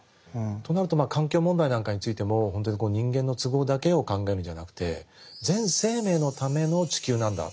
となるとまあ環境問題なんかについても本当に人間の都合だけを考えるんじゃなくて全生命のための地球なんだ。